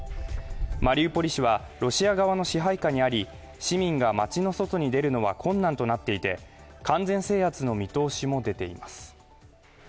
マリウポリ市はロシア側の支配下にあり、市民が街の外に出るのは困難となっていて完全制圧の見通しも出ています。